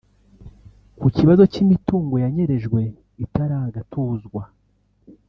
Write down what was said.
Ku kibazo cy’imitungo yanyerejwe itaragatuzwa